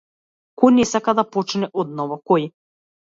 Кој не сака да почне одново, кој?